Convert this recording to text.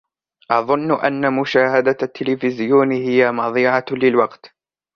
أظن أن مشاهدة التلفزيون هي مضيعة للوقت.